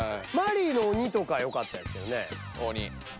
マリイの「鬼」とかよかったですよね。